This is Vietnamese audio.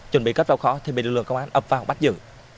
chuẩn bị cất vào kho thì bị lực lượng công an ập vào bắt giữ